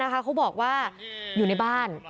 เขาบอกว่าอยู่ในบ้าน